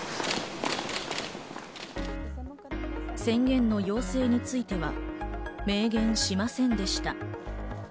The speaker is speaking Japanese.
宣言の要請については明言しませんでした。